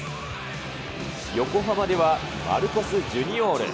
横浜ではマルコス・ジュニオール。